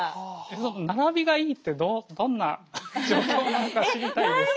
その並びがいいってどんな状況なのか知りたいです。